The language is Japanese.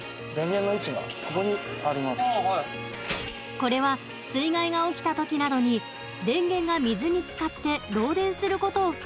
これは水害が起きた時などに電源が水につかって漏電することを防ぐための工夫です。